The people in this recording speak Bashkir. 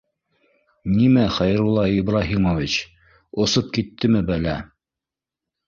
Нимә, Хәйрулла Ибраһимович, осоп киттеме бәлә-